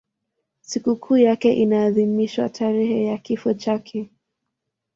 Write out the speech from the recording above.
Sikukuu yake inaadhimishwa tarehe ya kifo chake.